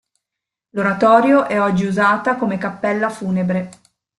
L'oratorio è oggi usata come cappella funebre.